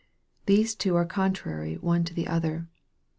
These two are contrary one to the other.